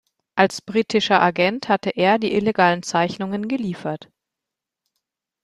Als britischer Agent hatte er die illegalen Zeichnungen geliefert.